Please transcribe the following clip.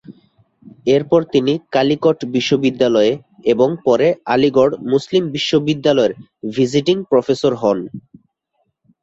এরপর তিনি কালিকট বিশ্ববিদ্যালয়ে এবং পরে আলিগড় মুসলিম বিশ্ববিদ্যালয়ের ভিজিটিং প্রফেসর হন।